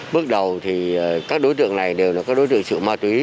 bước đầu thì các đối tượng này đều là các đối tượng sự ma túy